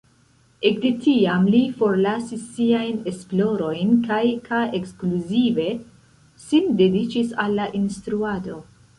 Ekde tiam li forlasis siajn esplorojn kaj ka ekskluzive sin dediĉis al la instruado.